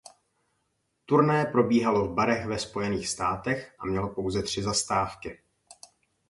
Turné probíhalo v barech ve Spojených státech a mělo pouze tři zastávky.